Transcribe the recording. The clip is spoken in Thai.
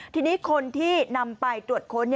ทีนี้คนที่นำไปตรวจค้น